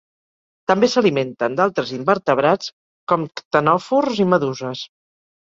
També s'alimenten d'altres invertebrats, com ctenòfors i meduses.